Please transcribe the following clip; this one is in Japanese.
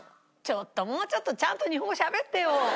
ちょっともうちょっとちゃんと日本語しゃべってよ。